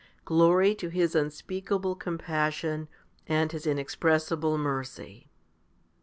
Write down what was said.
* Glory to His unspeakable compassion and His inexpressible mercy.